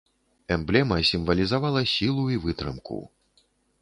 Эмблема сімвалізавала сілу і вытрымку.